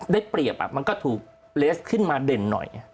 ได้เปรียบมันก็ถูกเลสขึ้นมาเด่นหน่อย